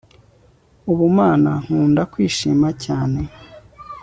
ubumana, nkunda kwishima cyane